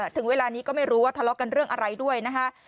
ถึงเวลานี้ก็ไม่รู้ว่าทะเลาะกันเรื่องอะไรด้วยนะคะ